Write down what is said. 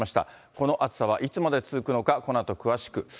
この暑さはいつまで続くのか、このあと詳しく。